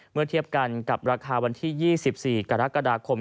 เมื่อเทียบกันกับราคาวันที่๒๔กรกฎาคม